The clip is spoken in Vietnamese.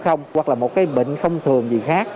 hoặc là một bệnh không thường gì khác